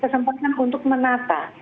kesempatan untuk menata